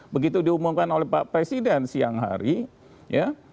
begitu diumumkan oleh pak presiden siang hari ya